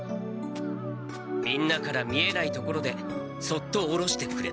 みんなから見えない所でそっとおろしてくれた。